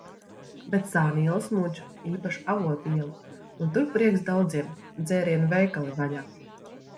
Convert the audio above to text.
Bet sānielas mudž, īpaši Avotu iela, un tur prieks daudziem - dzērienu veikali vaļā.